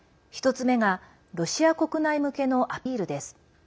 １つ目がロシア国内向けのアピールです。